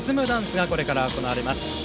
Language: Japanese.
ダンスがこれから行われます。